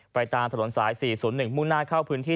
ตามถนนสาย๔๐๑มุ่งหน้าเข้าพื้นที่